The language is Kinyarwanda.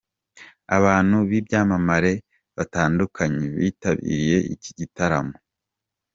Abantu b'ibyamamare batandukanye bitabiriye iki gitaramo.